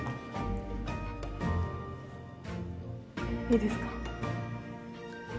いいですか？